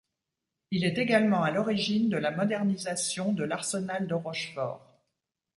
Il est également à l'origine de la modernisation de l'arsenal de Rochefort.